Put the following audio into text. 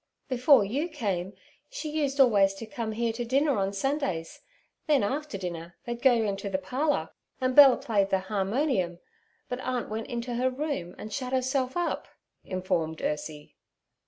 'Before you came she used always to come here to dinner on Sundays, then after dinner they'd go into the parlour, and Bella played the harmonium; but aunt went into her room and shut herself up' informed Ursie.